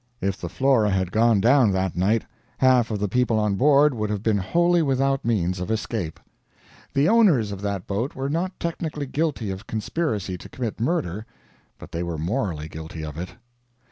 If the Flora had gone down that night, half of the people on board would have been wholly without means of escape. The owners of that boat were not technically guilty of conspiracy to commit murder, but they were morally guilty of it.